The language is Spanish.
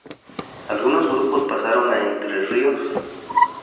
Algunos grupos pasaron a Entre Ríos.